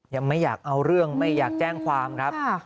ยังไม่อยากเอาเรื่องไม่อยากแจ้งความครับ